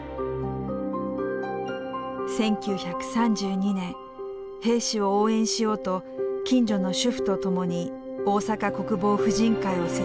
１９３２年兵士を応援しようと近所の主婦と共に大阪国防婦人会を設立。